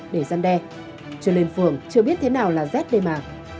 để gian đe chưa lên phường chưa biết thế nào là z đây mà